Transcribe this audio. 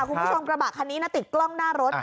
คุณผู้ชมกระบะคันนี้นะติดกล้องหน้ารถ